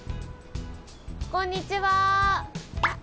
こんにちは。